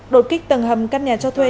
đột kích tầng hầm các nhà cho thuê